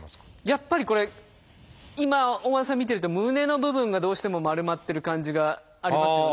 やっぱりこれ今大和田さん見てると胸の部分がどうしても丸まってる感じがありますよね。